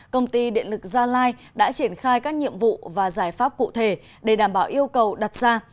công ty điện lực gia lai đã triển khai các nhiệm vụ và giải pháp cụ thể để đảm bảo yêu cầu đặt ra